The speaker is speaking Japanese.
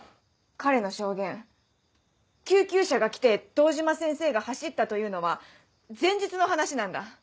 彼の証言救急車が来て堂島先生が走ったというのは前日の話なんだ。